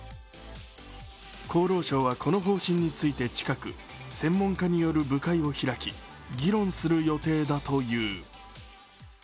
厚労省はこの方針について近く専門家による部会を開き議論する予定だという。